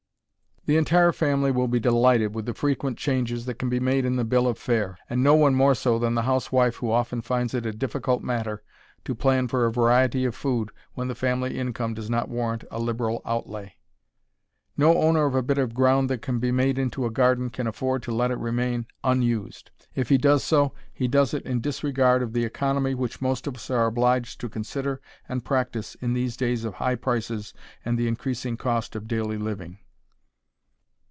The entire family will be delighted with the frequent changes that can be made in the bill of fare, and no one more so than the housewife who often finds it a difficult matter to plan for a variety of food when the family income does not warrant a liberal outlay. No owner of a bit of ground that can be made into a garden can afford to let it remain unused. If he does so he does it in disregard of the economy which most of us are obliged to consider and practise in these days of high prices and the increasing cost of daily living.